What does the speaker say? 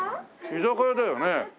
居酒屋だよね。